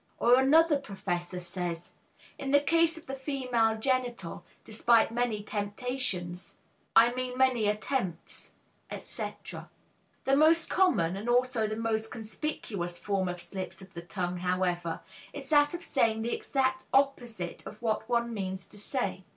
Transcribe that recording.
" Or another professor says, "In the case of the female genital, despite many temptations ... I mean many attempts ... etc." The most common, and also the most conspicuous form of slips of the tongue, however, is that of saying the exact opposite of what one meant to say.